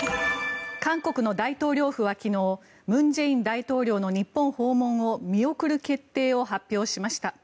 韓国の大統領府は昨日文在寅大統領の日本訪問を見送る決定を発表しました。